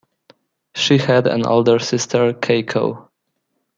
She had an older sister, Keiko.